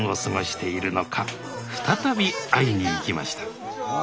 再び会いに行きました